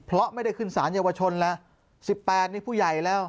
เพราะไม่ได้ขึ้นสารเยาวชนแล้ว